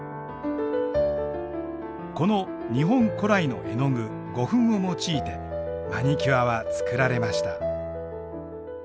この日本古来の絵の具胡粉を用いてマニキュアは作られました。